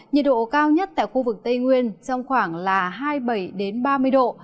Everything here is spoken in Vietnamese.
nhiệt độ cao nhất tại khu vực tây nguyên trong khoảng là hai mươi bảy ba mươi độ